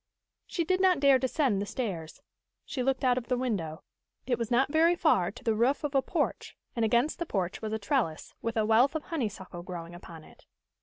She did not dare descend the stairs. She looked out of the window. It was not very far to the roof of a porch, and against the porch was a trellis, with a wealth of honeysuckle growing upon it.